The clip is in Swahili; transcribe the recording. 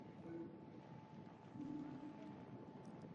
juisi ya viazi lishe inatumia viazi vilivyopikwa na kuiva